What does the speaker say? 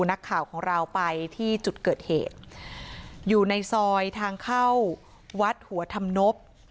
นักข่าวของเราไปที่จุดเกิดเหตุอยู่ในซอยทางเข้าวัดหัวธรรมนบ